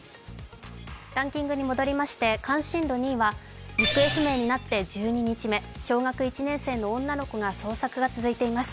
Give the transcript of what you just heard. ランキングに戻りまして、関心度２位は行方不明になって１２日目、小学１年生の女の子の捜索が続いています。